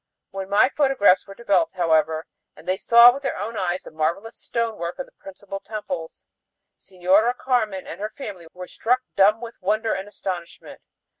When my photographs were developed, however, and they saw with their own eyes the marvelous stonework of the principal temples, Señora Carmen and her family were struck dumb with wonder and astonishment.